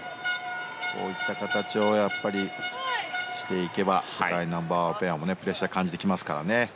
こういった形をしていけば世界ナンバー１ペアもプレッシャーを感じてきますからね。